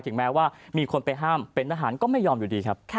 แม้ว่ามีคนไปห้ามเป็นทหารก็ไม่ยอมอยู่ดีครับ